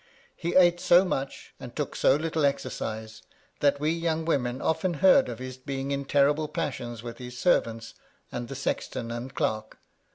He ate so much, and took so little exercise, that we young women often heard of his being in terrible passions with his servants, and the sexton and clerk.